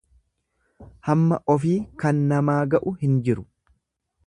Hamma ofii kan namaa ga'u hin jiru.